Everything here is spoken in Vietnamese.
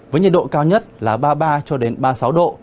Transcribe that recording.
với nhiệt độ cao nhất là ba mươi ba cho đến ba mươi sáu độ